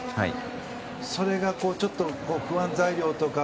それがちょっと不安材料とか